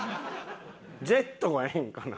ジェットがええんかな？